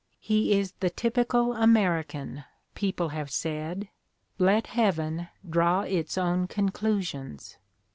He is the typical American, people have said: let heaven draw its own conclusions.